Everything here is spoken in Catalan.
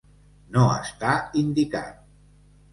No està indicat.